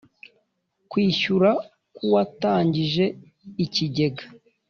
Kwishyura K Uwatangije Ikigega